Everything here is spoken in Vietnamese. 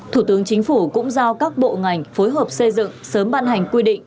thủ tướng chính phủ cũng giao các bộ ngành phối hợp xây dựng sớm ban hành quy định